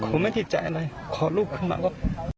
ผมไม่ที่จะอะไรขอลูกมาก็